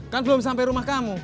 kan belum sampai rumah kamu